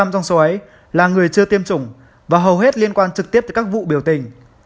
một mươi trong số ấy là người chưa tiêm chủng và hầu hết liên quan trực tiếp tới các vụ biểu tình